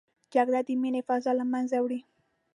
جګړه د مینې فضا له منځه وړي